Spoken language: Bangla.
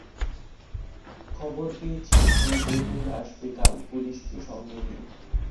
খবর পেয়েছি, সেই বটুই আসবে কাল পুলিসকে সঙ্গে নিয়ে।